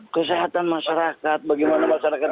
kesehatan masyarakat bagaimana masyarakat